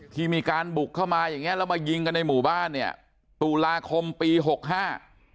ที่มีการบุกเข้ามาอย่างเงี้แล้วมายิงกันในหมู่บ้านเนี่ยตุลาคมปีหกห้า